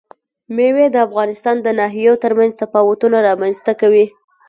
مېوې د افغانستان د ناحیو ترمنځ تفاوتونه رامنځ ته کوي.